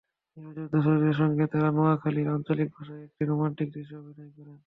নির্বাচিত দর্শকদের সঙ্গে তাঁরা নোয়াখালীর আঞ্চলিক ভাষায় একটি রোমান্টিক দৃশ্যে অভিনয় করেন।